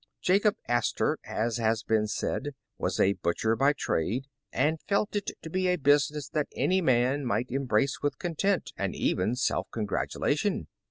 Jacob Astor, as has been said, was a butcher by trade, and felt it to be a business that any man might em brace with content, and even self congratulation.